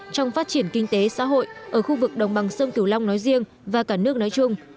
trong phát triển kinh tế xã hội ở khu vực đồng bằng sông cửu long nói riêng và cả nước nói chung